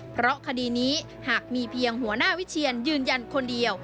เพราะคดีนี้หากมีเพียงหัวหน้าวิเชียนยืนยันคนเดียว